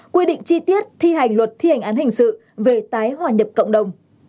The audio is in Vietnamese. quy định chi tiết thi hành luật thi hành án hình sự về tái hòa nhập cộng đồng